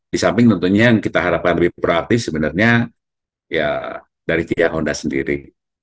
di samping tentunya yang kita harapkan lebih proaktif sebenarnya ya dari tiga honda sendiri